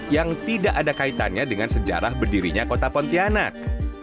yang tidak ada kaitannya dengan sejarah berdirinya kota pontianak